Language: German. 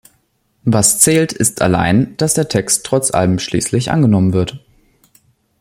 Was zählt, ist allein, dass der Text trotz allem schließlich angenommen wird.